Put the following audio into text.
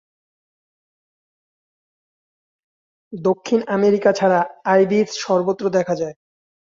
দক্ষিণ আমেরিকা ছাড়া আইবিস সর্বত্র দেখা যায়।